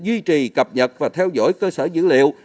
duy trì cập nhật và theo dõi cơ sở dữ liệu